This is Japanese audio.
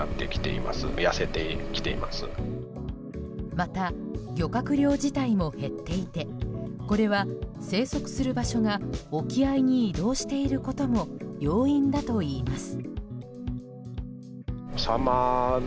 また、漁獲量自体も減っていてこれは、生息する場所が沖合に移動していることも要因だといいます。